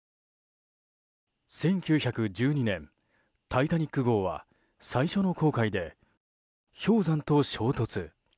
１９１２年「タイタニック号」は最初の航海で氷山と衝突。